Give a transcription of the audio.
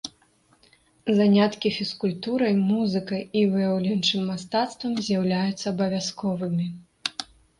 Заняткі фізкультурай, музыкай і выяўленчым мастацтвам з'яўляюцца абавязковымі.